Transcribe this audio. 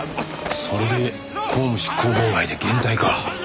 それで公務執行妨害で現逮か。